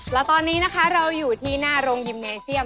และตอนนี้นะคะเราอยู่ที่หน้าโรงยิมเนเซียม